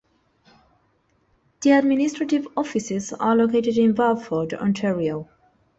The administrative offices are located in Burford, Ontario.